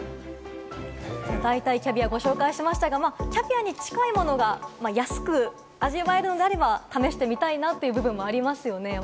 代替キャビアをご紹介しましたが、キャビアに近いものが安く味わえるのであれば、試してみたいなという部分はありますよね。